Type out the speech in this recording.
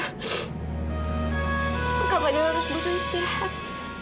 kak fadil harus beristirahat